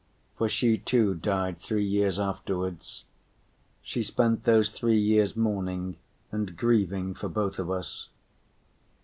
For she too died three years afterwards. She spent those three years mourning and grieving for both of us.